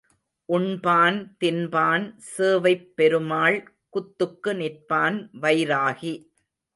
உண்பான் தின்பான் சேவைப் பெருமாள் குத்துக்கு நிற்பான் வைராகி.